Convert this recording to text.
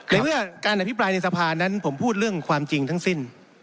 ในเมื่อการอภิปรายในสภานั้นผมพูดเรื่องความจริงทั้งสิ้น